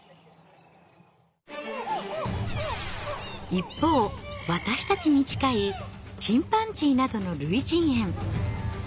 一方私たちに近いチンパンジーなどの類人猿。